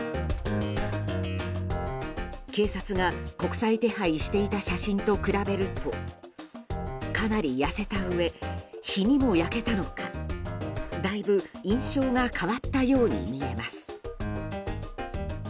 警察が国際手配していた写真と比べるとかなり痩せたうえ日にも焼けたのかだいぶ印象が変わったように見えます。